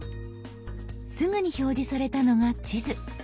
すぐに表示されたのが地図。